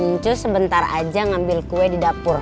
muncul sebentar aja ngambil kue di dapur